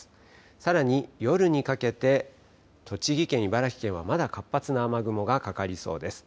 さらに夜にかけて栃木県、茨城県はまだ活発な雨雲がかかりそうです。